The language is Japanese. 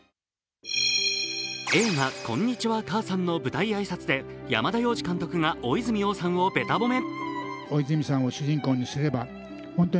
映画「こんにちは、母さん」の舞台挨拶で山田洋次監督が大泉洋さんをべた褒め。